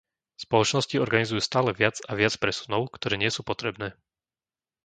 Spoločnosti organizujú stále viac a viac presunov, ktoré nie sú potrebné.